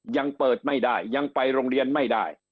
ยังเปิดไม่ได้ยังไปโรงเรียนไม่ได้